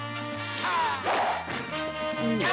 ああ！」